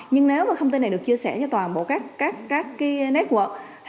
nhưng nếu mà công ty này được chia sẻ cho toàn bộ các network